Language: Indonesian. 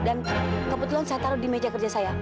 dan kebetulan saya taruh di meja kerja saya